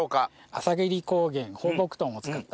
朝霧高原放牧豚を使った。